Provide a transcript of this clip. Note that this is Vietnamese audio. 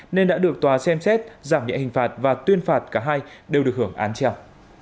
nên đã được tòa xem xét giảm nhẹ hình phạt và tuyên phạt cả hai đều được hưởng án treo